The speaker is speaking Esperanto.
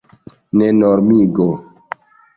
Ne normigo.